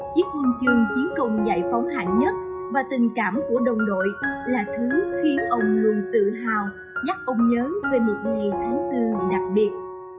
chiếc khuôn chương chiến công giải phóng hạng nhất và tình cảm của đồng đội là thứ khiến ông luôn tự hào nhắc ông nhớ về một ngày tháng bốn đặc biệt